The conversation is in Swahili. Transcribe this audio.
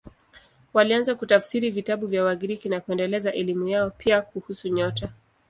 Walianza kutafsiri vitabu vya Wagiriki na kuendeleza elimu yao, pia kuhusu nyota.